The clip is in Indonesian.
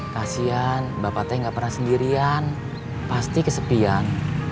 kasian bapak teh nggak pernah sendirian pasti kesepian